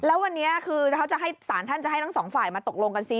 แล้ววันนี้คือเขาจะให้สารท่านจะให้ทั้งสองฝ่ายมาตกลงกันซิ